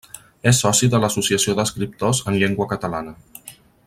És soci de l'Associació d'Escriptors en Llengua Catalana.